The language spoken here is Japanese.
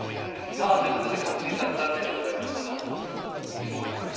さあという事で一茂さん残念でございましたが。